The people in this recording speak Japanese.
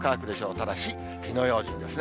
ただし、火の用心ですね。